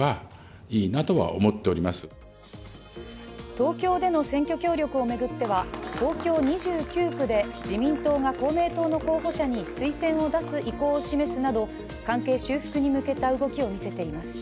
東京での選挙協力を巡っては東京２９区で自民党が公明党の候補者に推薦を出す意向を示すなど関係修復に向けた動きを見せています。